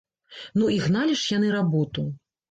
Ну і гналі ж яны работу!